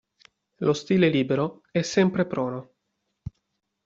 Lo stile libero è sempre prono.